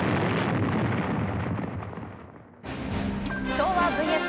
昭和ＶＳ